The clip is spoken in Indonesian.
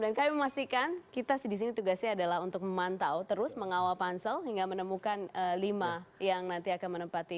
dan kami memastikan kita di sini tugasnya adalah untuk memantau terus mengawal pancel hingga menemukan lima yang nanti akan menempati